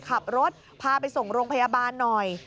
ขับรถพาไปส่งโรงพยาบาลหน่อย